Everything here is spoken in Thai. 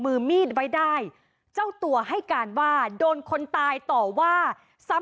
เรื่องนี้เกิดอะไรขึ้นไปเจาะลึกประเด็นร้อนจากรายงานค่ะ